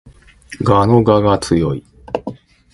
蛾の我が強い